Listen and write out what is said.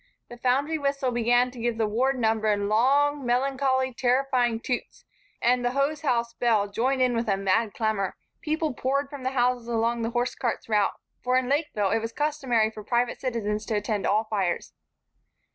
The foundry whistle began to give the ward number in long, melancholy, terrifying toots and the hosehouse bell joined in with a mad clamor. People poured from the houses along the hosecart's route, for in Lakeville it was customary for private citizens to attend all fires.